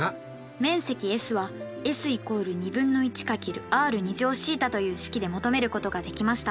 面積ＳはＳ＝２分の１×ｒθという式で求めることができました。